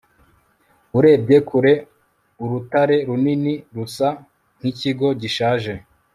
urebye kure, urutare runini rusa n'ikigo gishaje